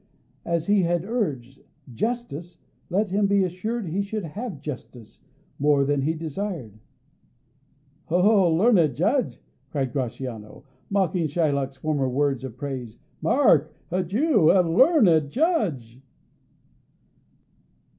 As he had urged "justice," let him be assured he should have justice, more than he desired. "O learned judge!" cried Gratiano, mocking Shylock's former words of praise. "Mark, Jew, a learned judge!"